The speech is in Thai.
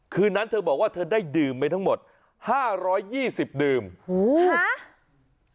คืนนั้นเธอบอกว่าเธอได้ดื่มไปทั้งหมดห้าร้อยยี่สิบดื่มโอ้โหฮะ